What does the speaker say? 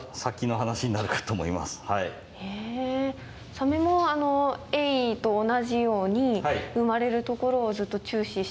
サメもエイと同じように生まれるところをずっと注視していくような？